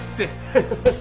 ハハハハ。